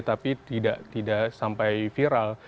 tapi tidak sampai viral